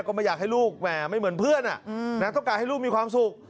ก็ไม่อยากให้ลูกแหมไม่เหมือนเพื่อนต้องการให้ลูกมีความสุข